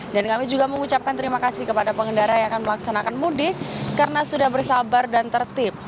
dan kami juga mengucapkan terima kasih kepada pengendara yang akan melaksanakan mudik karena sudah bersabar dan tertib